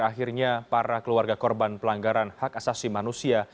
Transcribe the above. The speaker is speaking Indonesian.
akhirnya para keluarga korban pelanggaran hak asasi manusia